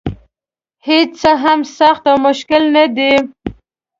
هېڅ څه هم سخت او مشکل نه دي.